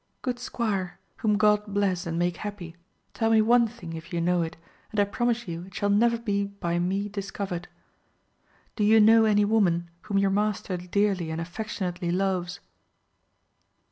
Good squire, whom God bless and make happy, tell me one thing if you know it, and I promise you it shall never be by me discovered. Do you know any woman whom yoifr master dearly and affectionately loves?